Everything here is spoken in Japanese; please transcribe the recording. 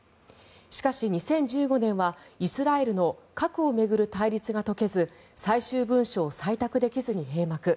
しかし、２０１５年はイスラエルの核を巡る対立が解けず最終文書を採択できずに閉幕。